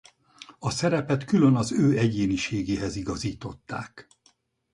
A szerepet külön az ő egyéniségéhez igazították.